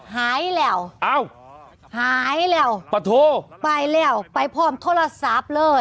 หายแล้วอ้าวหายแล้วปะโทไปแล้วไปพร้อมโทรศัพท์เลย